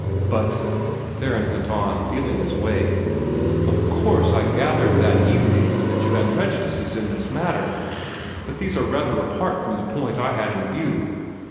"But," Theron went on, feeling his way, "of course, I gathered that evening that you had prejudices in the matter; but these are rather apart from the point I had in view.